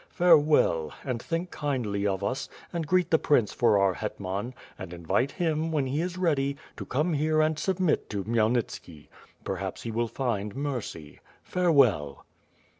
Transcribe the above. Farewell, and think kindly of us, and greet the prince for our hetman, and invite him, when he is ready, to come here and submit to Khmyelnitski. Perhaps he will find mercy. Farewell!"